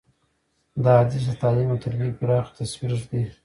دا حدیث د تعلیم او تربیې پراخه تصویر ږدي.